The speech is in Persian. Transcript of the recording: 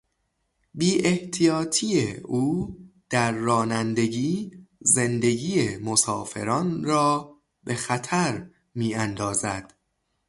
بیاحتیاطی او در رانندگی زندگی مسافران را به خطر میاندازد.